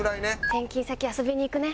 転勤先遊びに行くね。